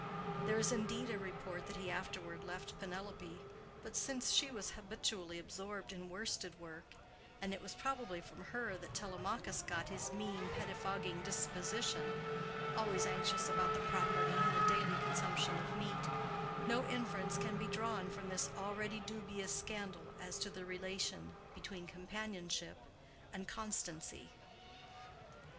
There is indeed a report that he afterward left Penelope; but since she was habitually absorbed in worsted work, and it was probably from her that Telemachus got his mean, pettifogging disposition, always anxious about the property and the daily consumption of meat, no inference can be drawn from this already dubious scandal as to the relation between companionship and constancy.